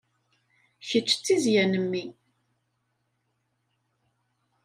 Kečč d tizzya n mmi.